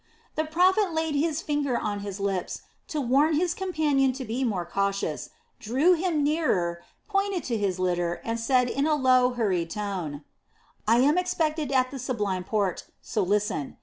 The prophet laid his finger on his lips to warn his companion to be more cautious, drew nearer to him, pointed to his litter, and said in a low, hurried tone: "I am expected at the Sublime Porte, so listen.